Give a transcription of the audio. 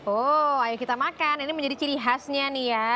oh ayo kita makan ini menjadi ciri khasnya nih ya